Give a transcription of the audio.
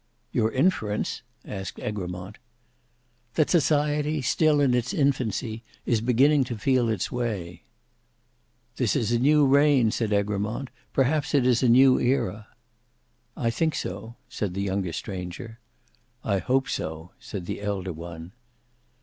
"Your inference?" asked Egremont. "That society, still in its infancy, is beginning to feel its way." "This is a new reign," said Egremont, "perhaps it is a new era." "I think so," said the younger stranger. "I hope so," said the elder one.